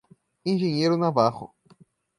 Engenheiro Navarro